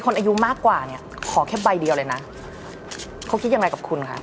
อายุมากกว่าเนี่ยขอแค่ใบเดียวเลยนะเขาคิดยังไงกับคุณคะ